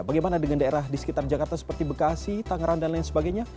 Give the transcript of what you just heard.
bagaimana dengan daerah di sekitar jakarta seperti bekasi tangerang dan lain sebagainya